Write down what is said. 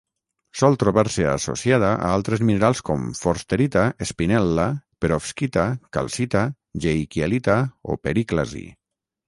Sol trobar-se associada a altres minerals com: forsterita, espinel·la, perovskita, calcita, geikielita o períclasi.